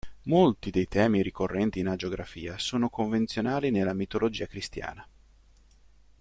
Molti dei temi ricorrenti in agiografia sono convenzionali nella mitologia cristiana.